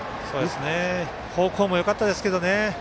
方向もよかったですけどね。